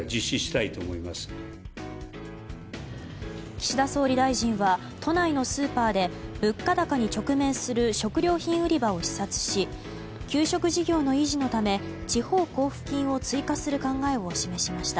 岸田総理大臣は都内のスーパーで物価高に直面する食料品売り場を視察し給食事業の維持のため地方交付金を追加する考えを示しました。